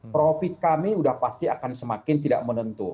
profit kami sudah pasti akan semakin tidak menentu